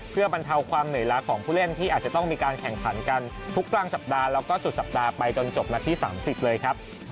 เพื่อบรรเทาความเหนื่อยล้าของผู้เล่นที่อาจจะต้องมีการแข่งขันกันทุกกลางสัปดาห์แล้วก็สุดสัปดาห์ไปจนจบนัดที่๓๐เลยครับ